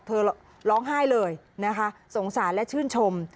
เธอร้องไห้เลยนะคะสงสารและชื่นชม